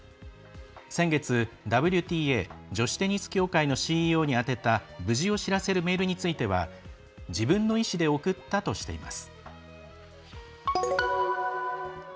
先月、ＷＴＡ＝女子テニス協会のＣＥＯに宛てた無事を知らせるメールについては自分の意思で送ったとしています。